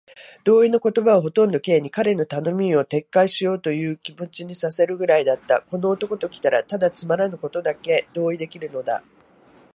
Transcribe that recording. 同意の言葉はほとんど Ｋ に、彼の頼みを撤回しようというという気持にさせるくらいだった。この男ときたら、ただつまらぬことにだけ同意できるのだ。